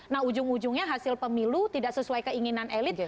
nah ujung ujungnya hasil pemilu tidak sesuai keinginan elit